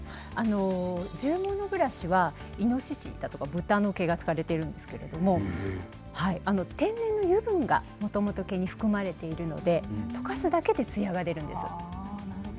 獣毛のブラシはイノシシだとか豚の毛が使われているんですけれど天然の油分が、もともと毛に含まれているのでとかすだけで、つやが出るんです。